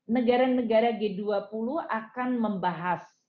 negara negara g dua puluh akan membahas